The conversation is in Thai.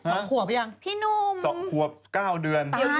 สอบขวบยังพี่นุ่มสอบขวบ๙เดือน